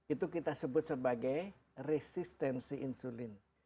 itu kita sebut sebagai resistensi insulin